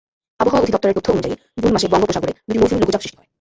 আবহাওয়া অধিদপ্তরের তথ্য অনুযায়ী, জুন মাসে বঙ্গোপসাগরে দুটি মৌসুমি লঘুচাপ সৃষ্টি হয়।